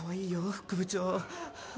副部長。